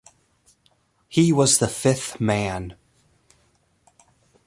He was the "Fifth Man".